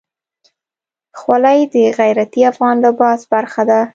خولۍ د غیرتي افغان لباس برخه ده.